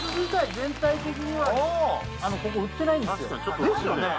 全体的にはここ売ってないんですよですよね